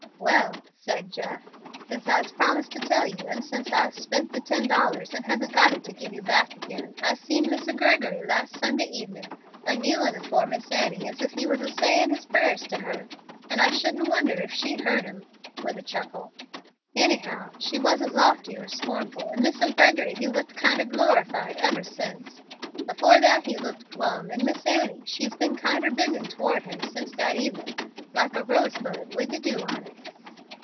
"Well," said Jeff, "since I'se promised to tell you, and since I'se spent de ten dollars, and hasn't got it to give you back again, I'se seen Misser Gregory las' Sunday evenin', a kneelin' afore Miss Annie as if he was a sayin' his prayers to her, and I shouldn't wonder if she heard 'em (with a chuckle); anyhow she wasn't lofty and scornful, and Misser Gregory he's looked kinder glorified ever since; afore that he looked glum, and Miss Annie, she's been kinder bendin' toward him since dat evenin', like a rosebud wid de dew on it."